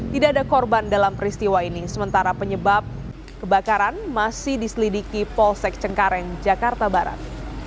tidak ada korban dalam peristiwa ini sementara penyebab kebakaran masih diselidiki polsek cengkareng jakarta barat